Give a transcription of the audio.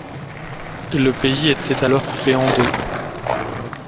Le pays était alors coupé en deux.